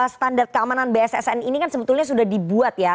standar keamanan bssn ini kan sebetulnya sudah dibuat ya